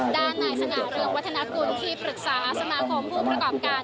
ด้านนายสง่าเรืองวัฒนากุลที่ปรึกษาสมาคมผู้ประกอบการ